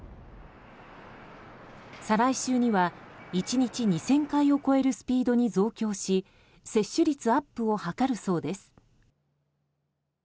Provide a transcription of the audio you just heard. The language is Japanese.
再来週には１日２０００回を超えるスピードに増強し接種率アップを図るそうです。